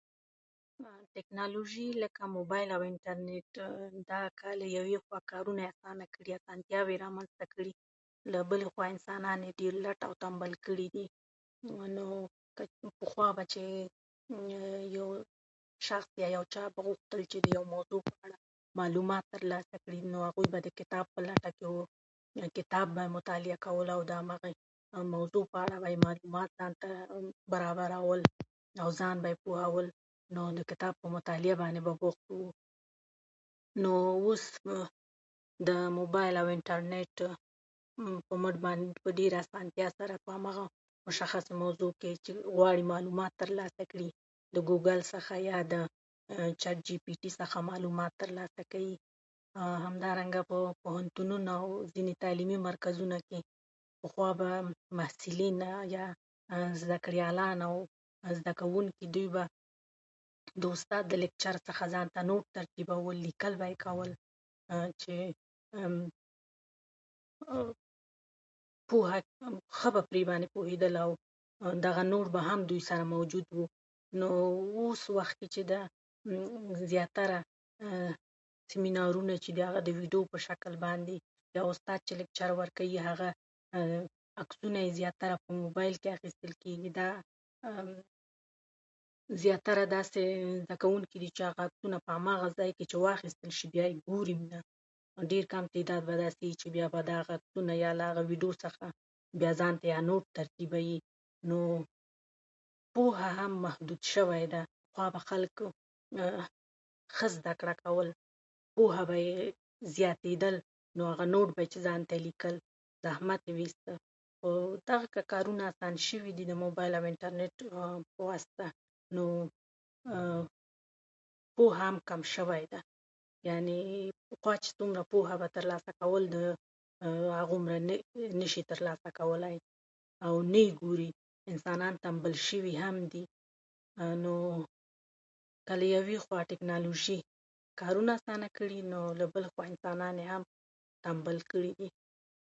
ټکنالوژي لکه موبایل، انټرنیټ که له یوې خوا کارونه یې اسانه کړي، اسانتیاوې یې رامنځته کړي، له بلې خوا انسانان یې ډېر لټ او تنبل کړي دي. نو [unintelligible] پخوا به چې یو شخص یا یو چا به غوښتل چې د یوې موضوع په اړه معلومات ترلاسه کړي، نو هغوی به د کتاب په لټه کې وو، کتاب به یې مطالعه کولو، او د هماغې موضوع په اړه به یې ځان ته معلومات برابرول او ځان به یې پوهول. نو د کتاب په مطالعه باندې به بوخت و. نو اوس د موبایل او انټرنیټ په مټ باندې په ډېره اسانتیا سره هماغه مشخص موضوع کې چې غواړي معلومات ترلاسه کړي، د ګوګل څخه یا د چټ جي پي ټي څخه معلومات ترلاسه کوي. او همدارنګه په پوهنتونونو، په ځینو تعلیمي مرکزونو کې پخوا به هم محصلین او یا زده‌کړیالان او زده کوونکي، دوی به د استاد د لکچر څخه ځان ته نوټ ترتیب کول، لیکل به یې کول چې پوهه ښه به پرې پوهېدل. دغه نوټ به هم دوی سره موجود و. نو اوس وخت کې چې ده، زیاتره سیمینارونه چې دي، د ویډیو په شکل باندې دي. استاد چې لکچر ورکوي، هغه عکسونه یې زیاتره په موبایل کې اخیستل کېږي. هغه زیاتره داسې زده کوونکي دي چې عکسونو په هماغه ځای کې چې واخیستل شي، بیا یې ګوري. په ډېر کم تعداد به داسې وي چې بیا به دا عکسونو یا له ویډیو څخه بیا ځان ته نوټ ترتیبوي. نو پوهه هم محدوده شوې ده. پخوا به خلکو ښه زده کړه کوله، پوهه به یې زیاتېدله. نو هغه نوټ به یې چې ځان ته لیکل، زحمت یې ایسته. خو [unintelligible] کارونه اسانه شوي دي د موبایل او انټرنیټ په واسطه. نو پوهه هم کمه شوې ده. یعنې پخوا چې څومره پوهه ترلاسه کول، هغومره نشي ترلاسه کولای او نه یې ګوري. انسانان تنبل شوي هم دي. نو که له یوې خوا ټکنالوژي کارونه اسانه کړي، نو له بلې خوا انسانان یې هم تنبل کړي دي.